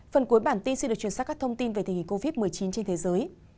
phần cuối bản tin xin được truyền sát các thông tin về tình hình covid một mươi chín trên thế giới